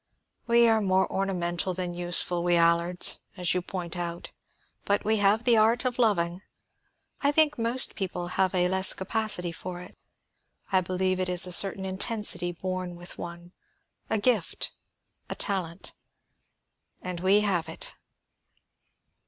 We are more ornamental than useful, we Allards, as you point out, but we have the art of loving. I think most people have a less capacity for it; I believe it is a certain intensity born with one a gift, a talent. And we have it.